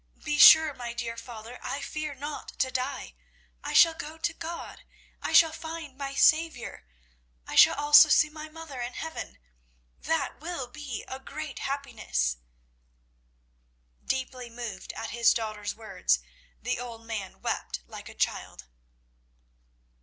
Be sure, my dear father, I fear not to die. I shall go to God; I shall find my Saviour. I shall also see my mother in heaven. That will be a great happiness." Deeply moved at his daughter's words, the old man wept like a child.